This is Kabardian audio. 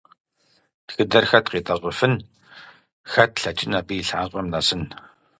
Тхыдэр хэт къитӀэщӀыфын, хэт лъэкӀын абы и лъащӀэм нэсын?